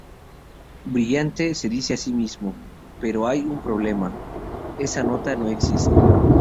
Brillante, se dice a sí mismo, pero hay un problema: esa nota no existe.